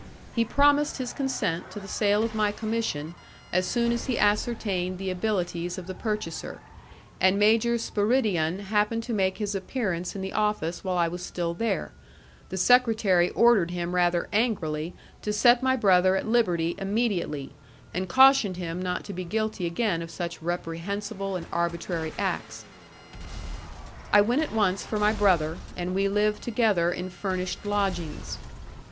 He promised his consent to the sale of my commission as soon as he ascertained the abilities of the purchaser, and Major Spiridion happening to make his appearance in the office while I was still there, the secretary ordered him rather angrily, to set my brother at liberty immediately, and cautioned him not to be guilty again of such reprehensible and arbitrary acts. I went at once for my brother, and we lived together in furnished lodgings.